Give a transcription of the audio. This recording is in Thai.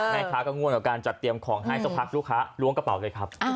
แม่ค้าก็ง่วนกับการจัดเตรียมของให้สักพักลูกค้าล้วงกระเป๋าเลยครับ